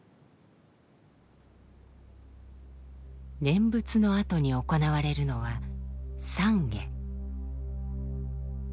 念仏のあとに行われるのは「散華」。